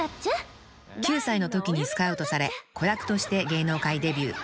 ［９歳のときにスカウトされ子役として芸能界デビュー］